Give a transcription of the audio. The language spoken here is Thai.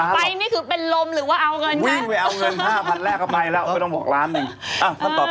เอาเงิน๕พันแรกไปแล้วไม่ต้องบอกล้านหนึ่ง